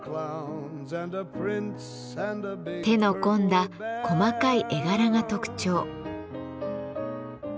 手の込んだ細かい絵柄が特徴。